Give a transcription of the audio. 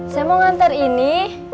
saya mau nganter ini